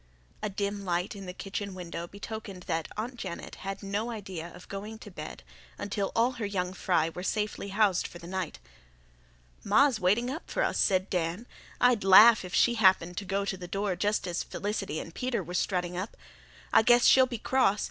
A dim light in the kitchen window betokened that Aunt Janet had no idea of going to bed until all her young fry were safely housed for the night. "Ma's waiting up for us," said Dan. "I'd laugh if she happened to go to the door just as Felicity and Peter were strutting up. I guess she'll be cross.